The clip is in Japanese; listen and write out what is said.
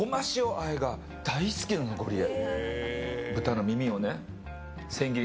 あえが大好きなの、ゴリエ。